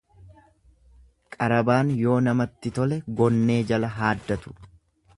Qarabaan yoo namatti tole gonnee jala haaddatu.